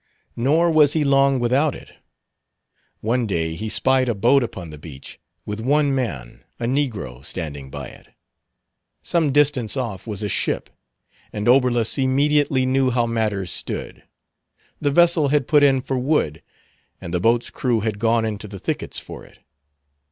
Nor was he long without it. One day he spied a boat upon the beach, with one man, a negro, standing by it. Some distance off was a ship, and Oberlus immediately knew how matters stood. The vessel had put in for wood, and the boat's crew had gone into the thickets for it.